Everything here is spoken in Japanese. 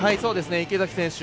池崎選手